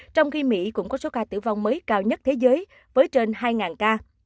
trong khi mỹ cũng có số ca tử vong mới cao nhất thế giới với trên hai ca